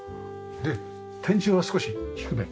で天井は少し低め？